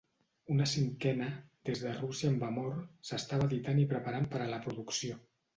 Una cinquena, "Des de Rússia amb amor", s'estava editant i preparant per a la producció.